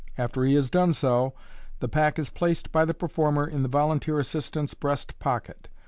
After he has done so, the pack is placed by the per former in the volunteer assistant's breast pocket.